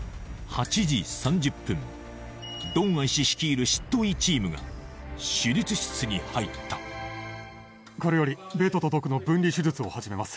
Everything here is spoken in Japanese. ８時３０分ドン・ア医師率いる執刀医チームが手術室に入ったこれよりベトとドクの分離手術を始めます